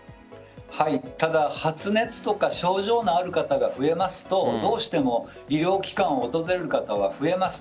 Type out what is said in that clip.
ただ、発熱とか症状のある方が増えますとどうしても医療機関を訪れる方は増えます。